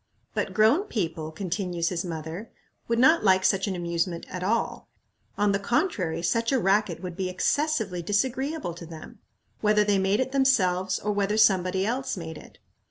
"But grown people," continues his mother, "would not like such an amusement at all. On the contrary, such a racket would be excessively disagreeable to them, whether they made it themselves or whether somebody else made it.